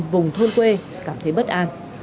vùng thôn quê cảm thấy bất an